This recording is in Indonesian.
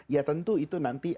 ya tentu itu nanti